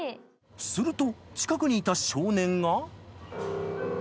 すると近くにいた少年が